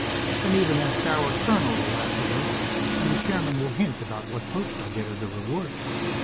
Then, even that sour colonel will laugh with us, and the Chairman will hint about what post I'll get as a reward.